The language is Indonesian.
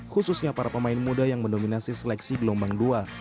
khususnya para pemain muda yang mendominasi seleksi gelombang dua